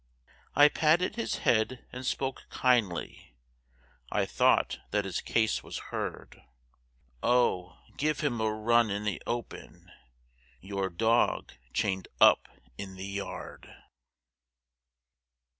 I patted his head and spoke kindly, I thought that his case was hard, Oh, give him a run in the open, Your dog chained up in the yard!